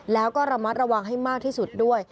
แล้วก็ระมัดระวังให้มากที่สุดด้วย